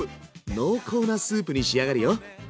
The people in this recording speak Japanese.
濃厚なスープに仕上がるよ。